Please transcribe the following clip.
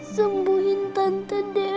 sembuhin tante dewi